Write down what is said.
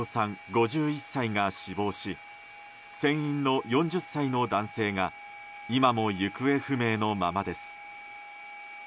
５１歳が死亡し船員の４０歳の男性が今も行方不明のままです。